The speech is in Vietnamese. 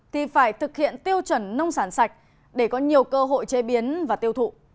thì phải thực hiện tiêu chuẩn nông sản sạch để có nhiều cơ hội chế biến và tiêu thụ